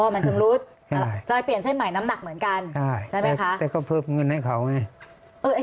มันชำรุดจอยเปลี่ยนเส้นใหม่น้ำหนักเหมือนกันใช่ไหมคะแต่ก็เพิ่มเงินให้เขาไง